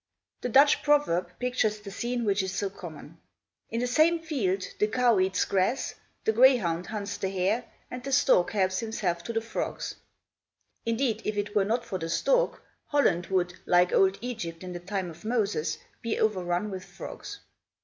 The Dutch proverb pictures the scene, which is so common. "In the same field, the cow eats grass; the grayhound hunts the hare; and the stork helps himself to the frogs." Indeed, if it were not for the stork, Holland would, like old Egypt, in the time of Moses, be overrun with frogs.